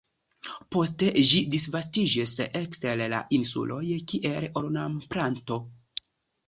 Poste ĝi disvastiĝis ekster la insuloj kiel ornamplanto.